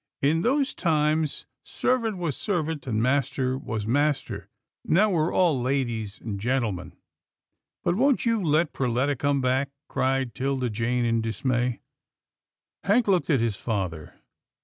In those times, servant was servant, and master was master. Now we're all ladies and gentlemen." " But won't you let Perletta come back ?" cried 'Tilda Jane in dismay. Hank looked at his father.